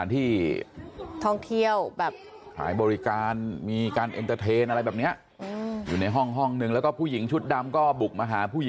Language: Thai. เนี่ยหนูกราบก็ได้